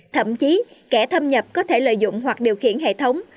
thậm chí kẻ thâm nhập có thể lợi dụng hoặc điều khiển hệ thống